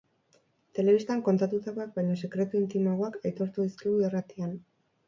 Telebistan kontatutakoak baino sekretu intimoagoak aitortu dizkigu irratian.